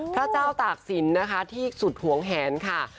พระเจ้าตากสินที่สุดหวงแหนค่ะ